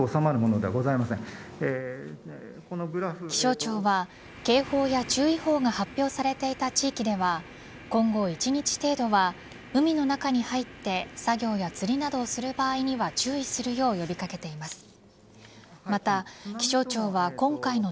気象庁は、警報や注意報が発表されていた地域では今後、１日程度は海の中に入って作業や釣りなどをする場合には注意するよう呼び掛けています。